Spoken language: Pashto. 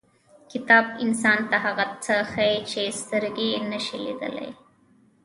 • کتاب انسان ته هغه څه ښیي چې سترګې یې نشي لیدلی.